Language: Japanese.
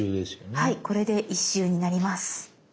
はいこれで１周になります。